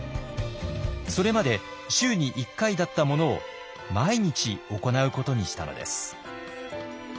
それまで週に１回だったものを毎日行うことにしたのです。